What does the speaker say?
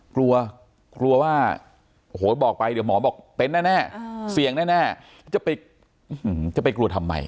กลัวกลัวว่าโอ้โหบอกไปเดี๋ยวหมอบอกเป็นแน่เสี่ยงแน่จะไปจะไปกลัวทำไม